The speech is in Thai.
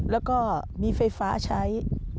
แล้วก็มีไฟฟ้าใช้